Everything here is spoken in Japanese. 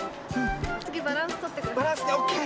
つぎバランスとってください。